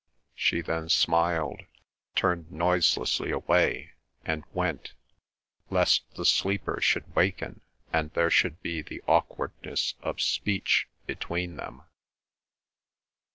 She then smiled, turned noiselessly away and went, lest the sleeper should waken, and there should be the awkwardness of speech between them.